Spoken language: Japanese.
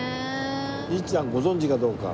律ちゃんご存じかどうか。